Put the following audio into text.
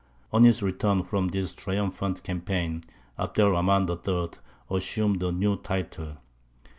On his return from this triumphant campaign, Abd er Rahmān III. assumed a new title.